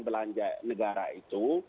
belanja negara itu